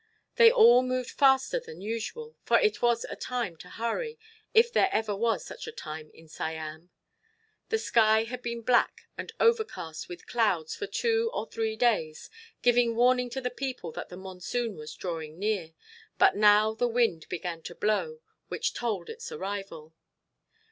They all moved faster than usual, for it was a time to hurry, if there ever was such a time in Siam. The sky had been black and overcast with clouds for two or three days, giving warning to the people that the monsoon was drawing near, but now the wind began to blow, which told its arrival.